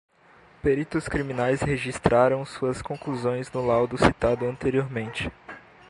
Peritos criminais registraram suas conclusões no laudo citado anteriormente